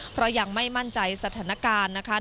เพราะยังไม่มั่นใจสถานการณ์นะคะ